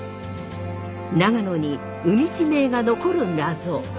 長野に海地名が残るナゾ。